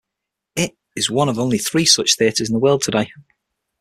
It is one of only three such theaters in the world today.